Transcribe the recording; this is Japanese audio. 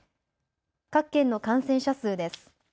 各県の感染者数です。